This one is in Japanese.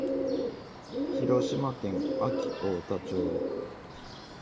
広島県安芸太田町